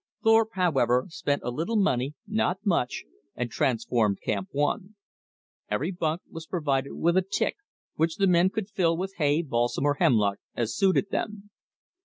Thorpe, however, spent a little money not much and transformed Camp One. Every bunk was provided with a tick, which the men could fill with hay, balsam, or hemlock, as suited them.